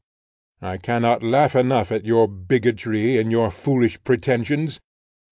I cannot laugh enough at your bigotry and your foolish pretensions.